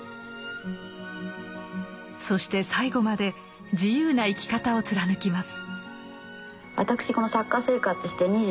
そして最後まで自由な生き方を貫きます。